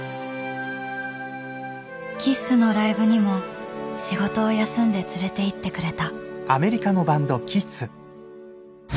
ＫＩＳＳのライブにも仕事を休んで連れていってくれた。